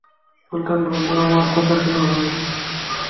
সুলতান, বন্ধু আমার, কথা শোনো ভাই।